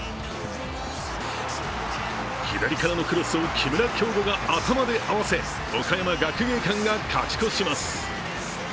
左からのクロスを木村匡吾が頭で合わせ岡山学芸館が勝ち越します。